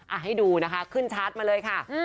ให้ดูนะคะขึ้นชาร์จมาเลยค่ะ